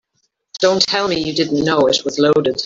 Don't tell me you didn't know it was loaded.